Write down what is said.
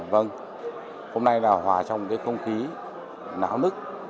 vâng hôm nay là hòa trong cái không khí náo nức